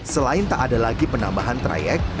selain tak ada lagi penambahan trayek